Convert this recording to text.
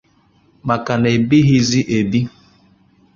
maka na e bighịzị ebi